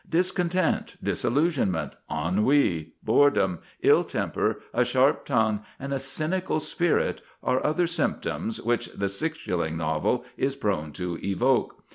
Discontent, disillusionment, ennui, boredom, ill temper, a sharp tongue, and a cynical spirit are other symptoms which the six shilling novel is prone to evoke.